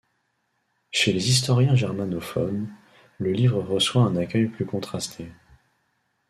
Chez les historiens germanophones, le livre reçoit un accueil plus contrasté.